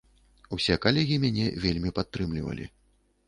Усе калегі мяне вельмі падтрымлівалі.